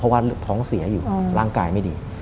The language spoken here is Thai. เพราะว่าท้องเสียอยู่ร่างกายไม่ดี